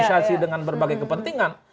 berpengalaman jadi dengan berbagai kepentingan